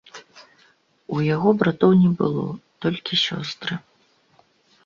У яго братоў не было, толькі сёстры.